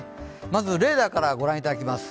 まずレーダーから御覧いただきます。